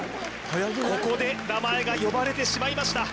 ここで名前が呼ばれてしまいました